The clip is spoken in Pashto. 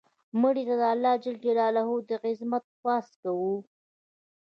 مړه ته د الله ج د عظمت خواست کوو